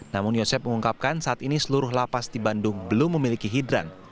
namun yosep mengungkapkan saat ini seluruh lapas di bandung belum memiliki hidran